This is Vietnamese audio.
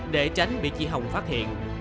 để tránh bị chị hồng phát hiện